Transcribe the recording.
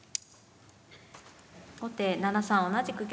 後手７三同じく玉。